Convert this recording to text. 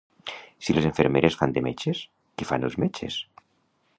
Si les infermeres fan de metges, què fan els metges?